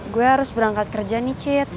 gue harus berangkat kerja nih chat